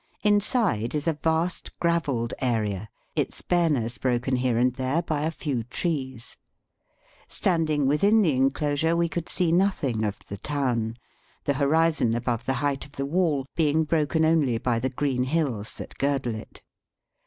Inside is a vast gravelled area, its bareness broken here and there by a few trees. Standing within the enclosure we could see nothing of the town, the horizon above the height of the wall being broken only by the green hills that girdle it.